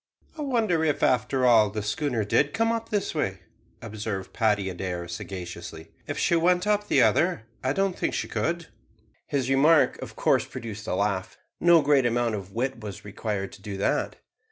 "I wonder if, after all, the schooner did come up this way," observed Paddy Adair sagaciously. "If she went up the other, I don't think she could." His remark of course produced a laugh. No great amount of wit was required to do that.